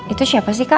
itu siapa sih kak